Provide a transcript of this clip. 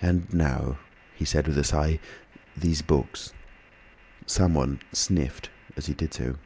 "And now," he said with a sigh, "these books." Someone sniffed as he did so.